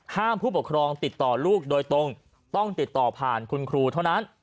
ผู้ปกครองติดต่อลูกโดยตรงต้องติดต่อผ่านคุณครูเท่านั้น